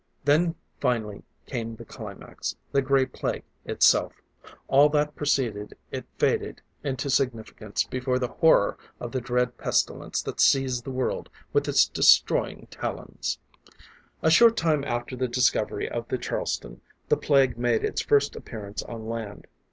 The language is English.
Then finally came the climax: the Gray Plague itself. All that preceded it faded into significance before the horror of the dread pestilence that seized the world with its destroying talons. A short time after the discovery of the Charleston, the Plague made its first appearance on land.